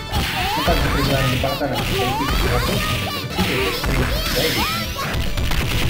Мы также призываем Департамент по политическим вопросам учитывать этот принцип в своей деятельности.